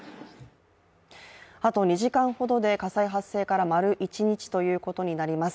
あと２時間ほどで火災発生から丸一日ということになります。